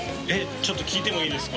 ちょっと聞いてもいいですか？